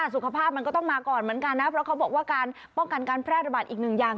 สุขภาพมันก็ต้องมาก่อนเหมือนกันนะเพราะเขาบอกว่าการป้องกันการแพร่ระบาดอีกหนึ่งอย่าง